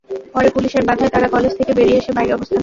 পরে পুলিশের বাধায় তাঁরা কলেজ থেকে বেরিয়ে এসে বাইরে অবস্থান নেন।